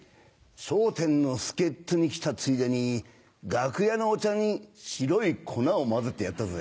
『笑点』の助っ人に来たついでに楽屋のお茶に白い粉を混ぜてやったぜ。